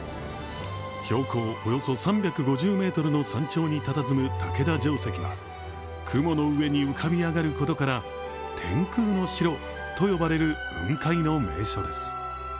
標高およそ３０ｍの山頂にたたずむ竹田城跡は雲の上に浮かび上がることから、天空の城と呼ばれる雲海の名所です。